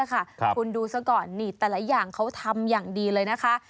คุณดูซะก่อนนี่แต่ละอย่างเขาทำอย่างดีเลยนะคะ